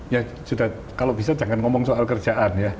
ya sudah kalau bisa jangan ngomong soal kerjaan ya